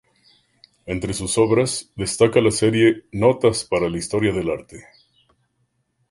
Entre sus obras destaca la serie "Notas para la Historia del Arte".